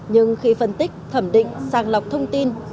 nhưng khi phân tích thẩm định sàng lọc thông tin